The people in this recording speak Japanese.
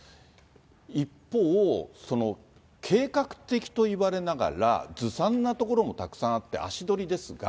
一方、計画的といわれながら、ずさんなところもたくさんあって、足取りですが。